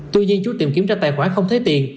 tuy nhiên chú tìm kiếm ra tài khoản không thấy tiền